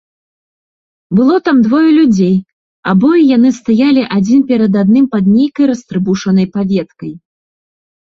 Было там двое людзей, абое яны стаялі адзін перад адным пад нейкай растрыбушанай паветкай.